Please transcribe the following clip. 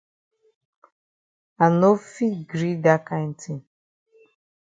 I no fit gree dat kind tin.